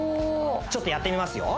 ちょっとやってみますよ